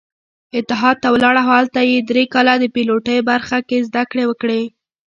اتحاد ته ولاړ او هلته يې درې کاله د پيلوټۍ برخه کې زدکړې وکړې.